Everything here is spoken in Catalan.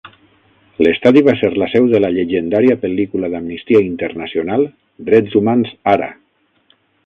L'estadi va ser la seu de la llegendària pel·lícula d'Amnistia Internacional "Drets Humans Ara".